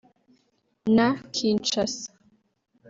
na Kinshasa